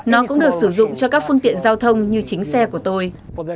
nó cũng được sử dụng cho các phương tiện giao thông như chính xe của tôi